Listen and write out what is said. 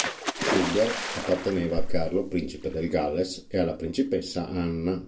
Sugar apparteneva a Carlo, principe del Galles e alla principessa Anna.